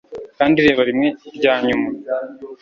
kandi reba rimwe rya nyuma